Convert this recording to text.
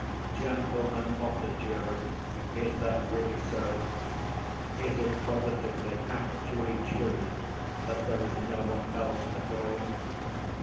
"Gentlemen of the jury, is that really so? Is it positively, actually true that there is no one else at all?